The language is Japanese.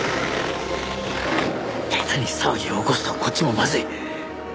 下手に騒ぎを起こすとこっちもまずい。